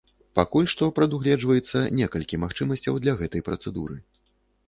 Пакуль што прадугледжваецца некалькі магчымасцяў для гэтай працэдуры.